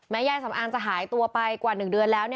ยายสำอางจะหายตัวไปกว่า๑เดือนแล้ว